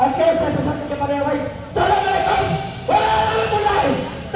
oke saya bersyukur kepada awak